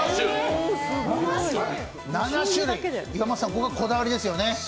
ここはこだわりですよね？